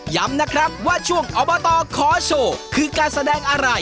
ย้ำนะครับว่าช่วงอบตขอโชว์คือการแสดงอะไร